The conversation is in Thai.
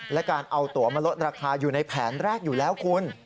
และการเอาตัวมาลดราคาอยู่ในแผนแรกอยู่แล้วคุณ